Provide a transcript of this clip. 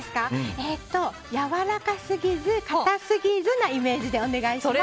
やわらかすぎず硬すぎずでお願いします。